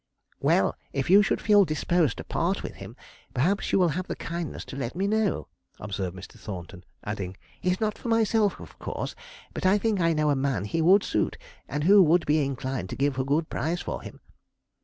'Well, if you should feel disposed to part with him, perhaps you will have the kindness to let me know,' observed Mr. Thornton; adding, 'he's not for myself, of course, but I think I know a man he would suit, and who would be inclined to give a good price for him.'